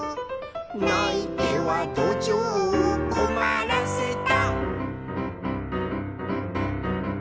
「ないてはどじょうをこまらせた」